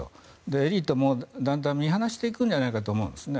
エリートもだんだん見放していくんじゃないかと思うんですね。